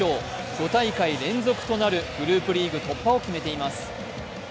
５大会連続となるグループリーグ突破を決めています。